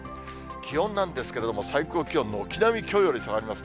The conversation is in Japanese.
気温なんですけれども、最高気温、軒並みきょうより下がりますね。